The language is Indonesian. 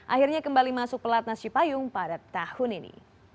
akhirnya kembali masuk pelatnas cipayung pada tahun ini